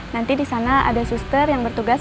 nanti di sana ada suster yang bertugas